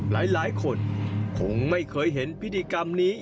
หลายคนคงไม่เคยเห็นแบบนี้